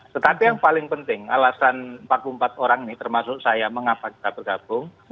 tetapi yang paling penting alasan empat puluh empat orang ini termasuk saya mengapa kita bergabung